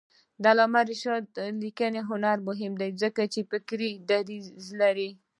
د علامه رشاد لیکنی هنر مهم دی ځکه چې فکري دریځ لري.